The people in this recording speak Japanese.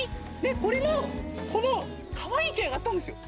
これもこのかわいいチェアがあったんですよ。